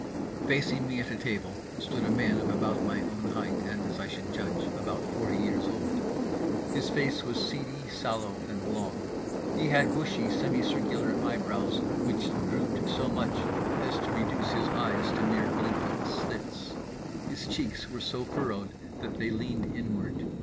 Facing me at a table stood a man of about my own height, and, as I should judge, about forty years old. His face was seedy sallow and long. He had bushy semi circular eyebrows which drooped so much as to reduce his eyes to mere blinking slits. His cheeks were so furrowed that they leaned inward.